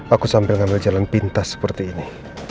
aku sambil ngambil jalan pintas seperti ini